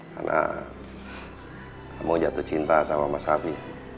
karena kamu jatuh cinta sama mas raffi